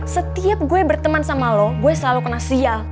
setiap gue berteman sama lo gue selalu kena sial